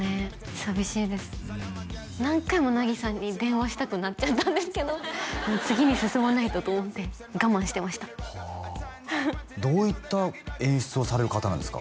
寂しいです何回も梛さんに電話したくなっちゃったんですけど次に進まないとと思って我慢してましたどういった演出をされる方なんですか？